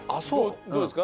どうですか？